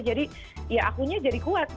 jadi ya akunya jadi kuat